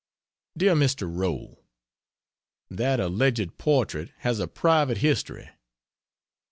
DEAR MR. ROW, That alleged portrait has a private history.